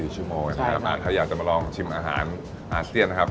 ๔ชั่วโมงนะครับถ้าอยากจะมาลองชิมอาหารอาเซียนนะครับ